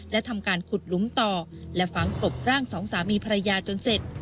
และทำการขุดหลุมต่อและฝังกลบร่างสองสามีภรรยาจนเสร็จ